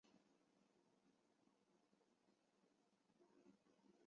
江户时代舟山万年命名。